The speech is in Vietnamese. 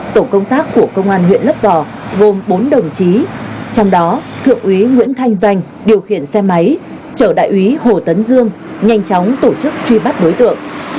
tổ công tác của công an huyện lấp vò gồm bốn đồng chí trong đó thượng úy nguyễn thanh danh điều khiển xe máy chở đại úy hồ tấn dương nhanh chóng tổ chức truy bắt đối tượng